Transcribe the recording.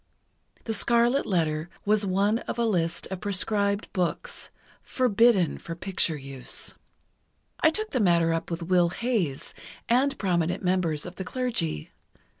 'The Scarlet Letter' was one of a list of proscribed books—forbidden for picture use. I took the matter up with Will Hays, and prominent members of the Clergy.